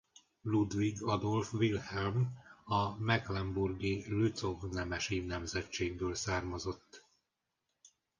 Ludwig Adolf Wilhelm a mecklenburgi Lützow nemesi nemzetségből származott.